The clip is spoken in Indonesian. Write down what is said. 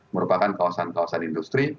merupakan kawasan kawasan industri